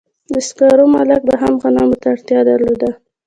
د سکارو مالک به هم غنمو ته اړتیا درلوده